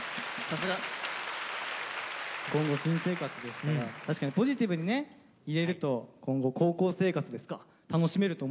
さすが！今後新生活ですから確かにポジティブにねいれると今後高校生活ですか楽しめると思いますよね。